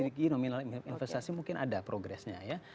dari segi nominal investasi mungkin ada progress nya ya